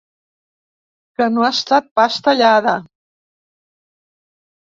Que no ha estat pas tallada.